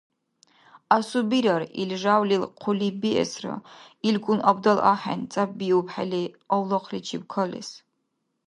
Асубирар, ил жявлил хъулиб биэсра: илкӀун абдал ахӀен, цӀяббиухӀели авлахъличиб калес…